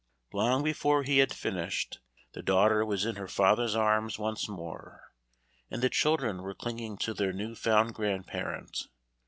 Long before he had finished, the daughter was in her father's arms once more, and the children were clinging to their new found grandparent.